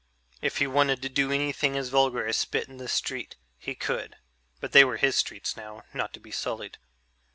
If he wanted to do anything as vulgar as spit in the street, he could (but they were his streets now, not to be sullied)